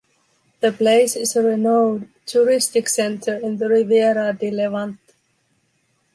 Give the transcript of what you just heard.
The place is a renowned touristic center in the Riviera di Levante.